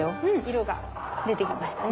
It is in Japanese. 色が出て来ましたね。